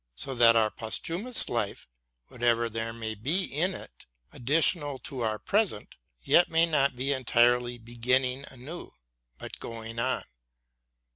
... So that our posthumous life, whatever there may be in it additional to our present, yet may not be entirely begin ning anew, but going on.